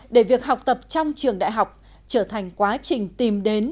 để việc học tập trong trường đại học trở thành quá trình tìm đến